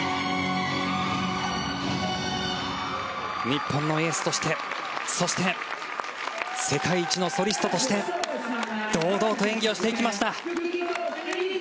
日本のエースとしてそして、世界一のソリストとして堂々と演技をしていきました。